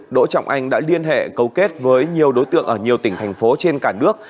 đỗ trọng anh đã liên hệ cấu kết với nhiều đối tượng ở nhiều tỉnh thành phố trên cả nước